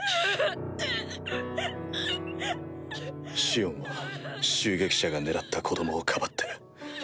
シオンは襲撃者が狙った子供をかばって。